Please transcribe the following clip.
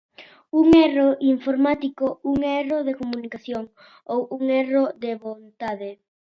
Un erro informático, un erro de comunicación, ou un erro de vontade.